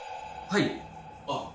はい。